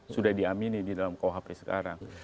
sudah diamini di dalam kuhp sekarang